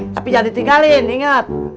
tapi jangan ditinggalin inget